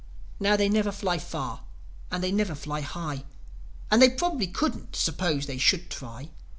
Now, they never fly far and they never fly high, And they probably couldn't, suppose they should try.